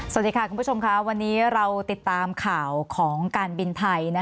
สวัสดีค่ะคุณผู้ชมค่ะวันนี้เราติดตามข่าวของการบินไทย